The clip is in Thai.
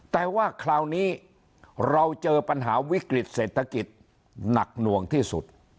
แต่ว่าคราวนี้เราเจอปัญหาวิกฤติเศรษฐกิจหนักหน่วงที่สุด